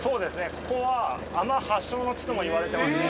ここは海女発祥の地とも言われてますね